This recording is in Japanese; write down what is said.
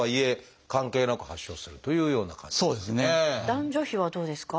男女比はどうですか？